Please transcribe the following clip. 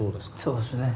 そうですね。